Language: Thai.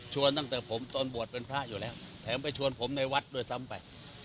ตั้งแต่ผมตอนบวชเป็นพระอยู่แล้วแถมไปชวนผมในวัดด้วยซ้ำไป